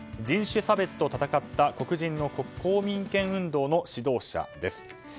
人種差別と闘った、黒人の公民権運動の指導者です。